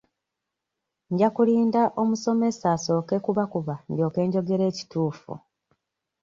Nja kulinda omusomesa asooke kubakuba ndyoke njogere ekituufu.